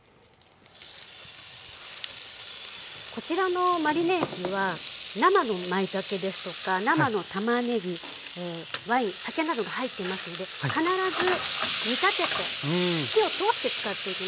こちらのマリネ液は生のまいたけですとか生のたまねぎワイン酒などが入っていますので必ず煮たてて火を通して使っていきます。